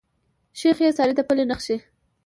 شيخ ئې څاري د پله نخښي